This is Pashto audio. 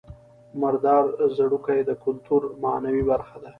مردار ځړوکی د کولتور معنوي برخه ده